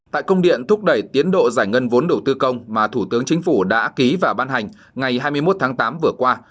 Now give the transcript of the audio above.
tại công điện thúc đẩy tiến độ giải ngân vốn đầu tư công mà thủ tướng chính phủ đã ký và ban hành ngày hai mươi một tháng tám vừa qua